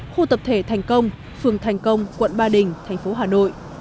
khu tập thể thành công phường thành công quận ba đình thành phố hà nội